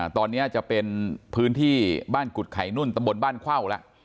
ตอนนี้จะเป็นพื้นที่บ้านกุดไข่นุ่นตำบลบ้านเข้าแล้ว